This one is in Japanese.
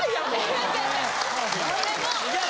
これも。